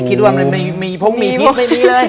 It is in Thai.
ไม่ได้คิดว่ามันมีพุ่งมีพิษไม่มีเลย